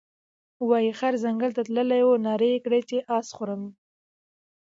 وايې خر ځنګل ته تللى وو نارې یې کړې چې اس خورم،